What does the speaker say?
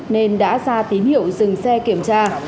nên đã ra tín hiệu dừng xe kiểm tra